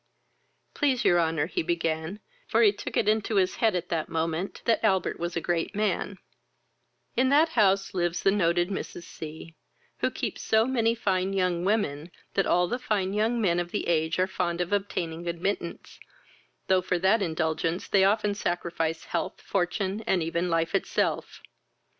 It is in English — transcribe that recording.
"Please your honour, (he began, for he took it into his head at that moment that Albert was a great man,) in that house lives the noted Mrs. C , who keeps so many fine young women, that all the fine young men of the age are fond of obtaining admittance, though for that indulgence they often sacrifice health, fortune, and even life itself.